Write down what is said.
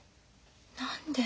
何で？